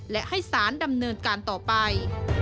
และให้สารดำเนินการต่อไป